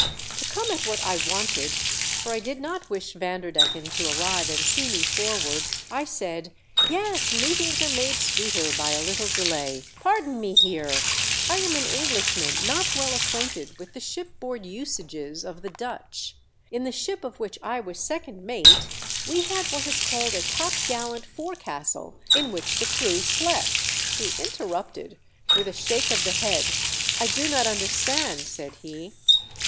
To come at what I wanted — for I did not wish Vanderdecken to arrive and see me forward — I said " Yes, meetings are made sweeter by a little delay. Pardon me, Heer : I am an Englishman not well acquainted with the shipboard usages of the Dutch. In the ship of which I was second mate, we had what is called a topgallant forecastle in which the crew slept " He interrupted with a shake of the head. " I do not understand," said he.